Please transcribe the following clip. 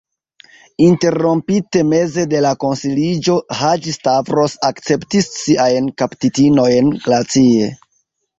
Interrompite meze de la konsiliĝo, Haĝi-Stavros akceptis siajn kaptitinojn glacie.